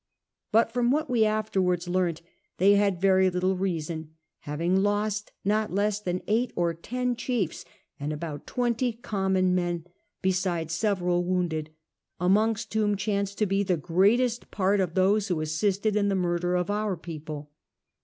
But from what we afterwards leanit they had very little reason, having lost not less than eight or ten chiefs and about twenty common men, besides several wounded ; amongst whom chanced to be the greatest j)ai't of those who assisted in the murder of our people.